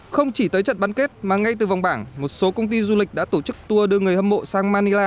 không chỉ tới trận bán kết mà ngay từ vòng bảng một số công ty du lịch đã tổ chức tour đưa người hâm mộ sang manila